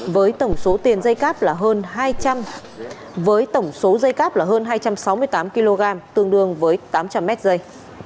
với tổng số tiền dây cáp là hơn hai trăm sáu mươi tám kg tương đương với tám trăm linh mét dây